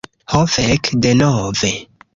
Ho fek' denove!